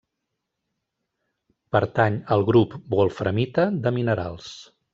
Pertany al grup wolframita de minerals.